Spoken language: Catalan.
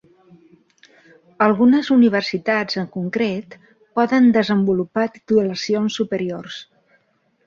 Algunes universitats en concret poden desenvolupar titulacions superiors.